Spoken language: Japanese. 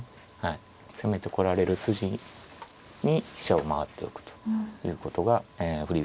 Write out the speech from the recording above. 攻めてこられる筋に飛車を回っておくということが振り